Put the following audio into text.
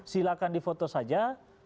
silahkan di foto saja